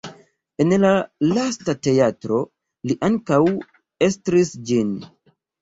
En la lasta teatro li ankaŭ estris ĝin.